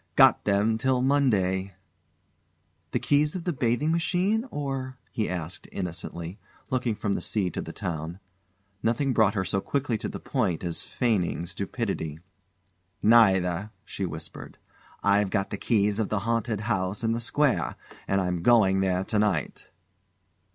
"Got them till Monday!" "The keys of the bathing machine, or ?" he asked innocently, looking from the sea to the town. Nothing brought her so quickly to the point as feigning stupidity. "Neither," she whispered. "I've got the keys of the haunted house in the square and I'm going there to night."